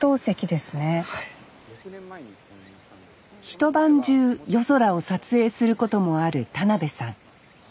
一晩中夜空を撮影することもある田邊さん。